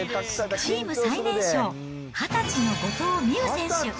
チーム最年少、２０歳の後藤希友選手。